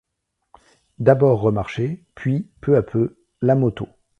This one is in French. D'abord remarcher, puis peu à peu, la moto.